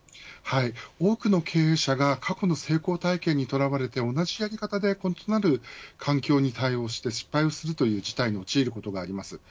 多くの経営者が過去の成功体験にとらわれて同じやり方で異なる環境に対応して失敗するという事態に陥ることがあります。